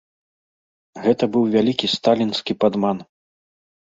Гэта быў вялікі сталінскі падман.